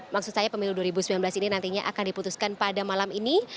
maksud saya pemilu dua ribu sembilan belas ini nantinya akan diputuskan pada malam ini